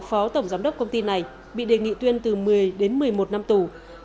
phó tổng giám đốc công ty này bị đề nghị tuyên từ một mươi đến một mươi một năm tù